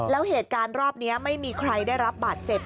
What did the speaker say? แล้วเหตุการณ์รอบนี้ไม่มีใครได้รับบาดเจ็บ